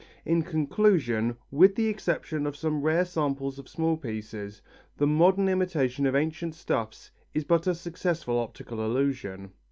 In conclusion, with the exception of some rare samples of small pieces, the modern imitation of ancient stuffs is but a successful optical illusion.